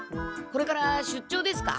これから出張ですか？